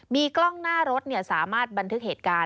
มีกล้องหน้ารถสามารถบันทึกเหตุการณ์